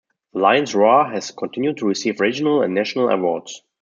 "The Lion's Roar" has continued to receive regional and national awards.